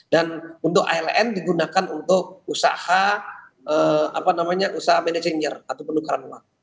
dan untuk hln digunakan untuk usaha apa namanya usaha manajinger atau penukaran uang